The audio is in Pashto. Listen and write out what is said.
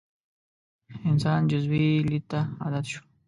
انسان جزوي لید ته عادت شو.